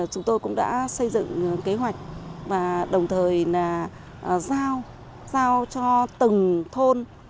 chúng tôi cũng đã xây dựng kế hoạch và đồng thời giao cho từng thôn